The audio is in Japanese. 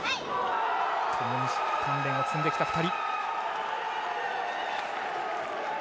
ともに鍛練を積んできた２人。